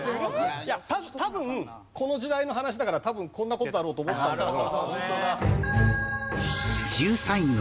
多分この時代の話だから多分こんな事だろうと思ったんだけど。